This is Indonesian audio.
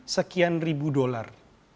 sekian ribu dolar